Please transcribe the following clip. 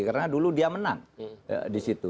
karena dulu dia menang di situ